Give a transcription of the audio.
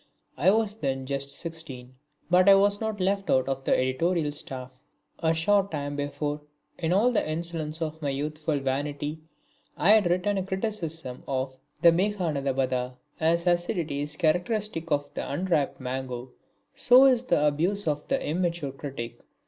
I was then just sixteen, but I was not left out of the editorial staff. A short time before, in all the insolence of my youthful vanity, I had written a criticism of the Meghanadabadha. As acidity is characteristic of the unripe mango so is abuse of the immature critic.